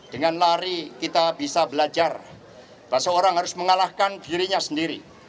dengan lari kita bisa belajar seseorang harus mengalahkan dirinya sendiri